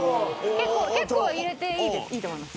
結構入れていいと思います。